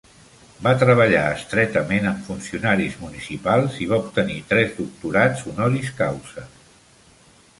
Va treballar estretament amb funcionaris municipals i va obtenir tres doctorats honoris causa.